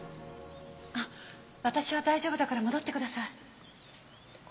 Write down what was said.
あっ私は大丈夫だから戻ってください。